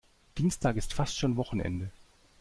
Dienstag ist fast schon Wochenende.